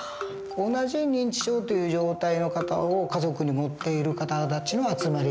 同じ認知症という状態の方を家族に持っている方たちの集まり